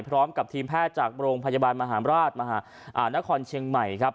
พร้อมกับทีมแพทย์จากโรงพยาบาลมหาราชมหานครเชียงใหม่ครับ